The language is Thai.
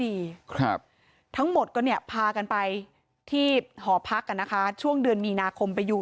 ครับทั้งหมดก็เนี่ยพากันไปที่หอพักกันนะคะช่วงเดือนมีนาคมไปอยู่